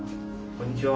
こんにちは。